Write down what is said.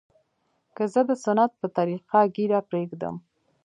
که زه د سنت په طريقه ږيره پرېږدم.